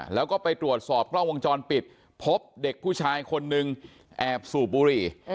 แล้วก็ไปตรวจสอบกล้องวงจรปิดพบเด็กผู้ชายคนนึงแอบสูบบุหรี่